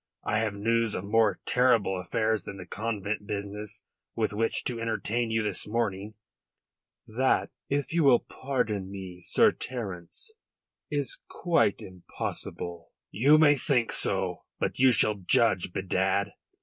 I have news of more terrible affairs than the convent business with which to entertain you this morning." "That, if you will pardon me, Sir Terence, is quite impossible." "You may think so. But you shall judge, bedad.